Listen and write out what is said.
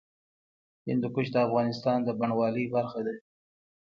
هندوکش د افغانستان د بڼوالۍ برخه ده.